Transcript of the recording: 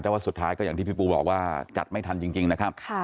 แต่ว่าสุดท้ายก็อย่างที่พี่ปูบอกว่าจัดไม่ทันจริงนะครับ